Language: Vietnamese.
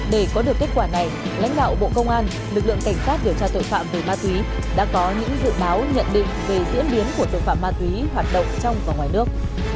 để có được kết quả này lãnh đạo bộ công an lực lượng cảnh sát điều tra tội phạm về ma túy đã có những dự báo nhận định về diễn biến của tội phạm ma túy hoạt động trong và ngoài nước